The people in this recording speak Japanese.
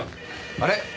あれ？